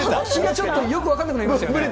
ちょっと、よく分からなくなりましたね。